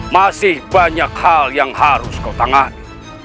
masih banyak hal yang harus kau tangani